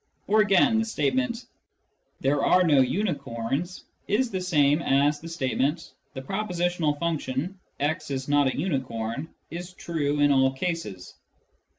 Or, again, the state ment " there are no unicorns " is the same as the statement " the propositional function ' x is not a unicorn ' is true in all cases."